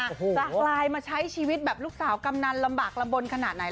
จะกลายมาใช้ชีวิตแบบลูกสาวกำนันลำบากลำบลขนาดไหน